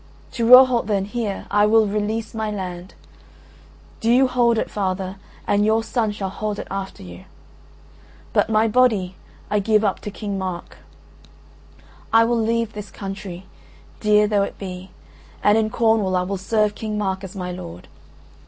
To Rohalt then, here, I will release my land. Do you hold it, father, and your son shall hold it after you. But my body I give up to King Mark. I will leave this country, dear though it be, and in Cornwall I will serve King Mark as my lord.